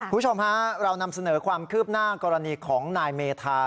คุณผู้ชมฮะเรานำเสนอความคืบหน้ากรณีของนายเมธา